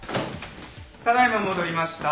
ただ今戻りました。